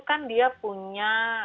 kan dia punya